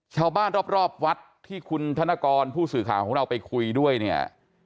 ชาวบ้านรอบวัดที่คุณธนกรผู้สื่อข่าวของเราไปคุยด้วยเนี่ย